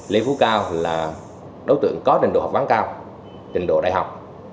lê phú cao là đối tượng có trình độ học ván cao trình độ đại học